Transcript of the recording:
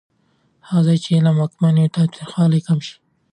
هغه ځای چې علم واکمن وي، تاوتریخوالی کم شي.